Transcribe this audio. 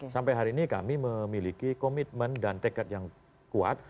sampai hari ini kami memiliki komitmen dan tekad yang kuat